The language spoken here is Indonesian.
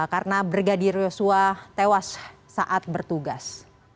karena brigadier yosua tewas saat bertugas